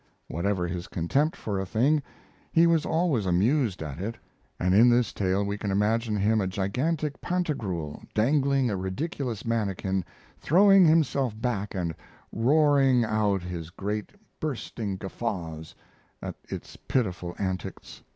Whatever his contempt for a thing, he was always amused at it; and in this tale we can imagine him a gigantic Pantagruel dangling a ridiculous manikin, throwing himself back and roaring out his great bursting guffaws at its pitiful antics.